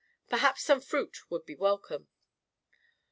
Perhaps some fruit would be welcome.'